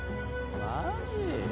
マジ？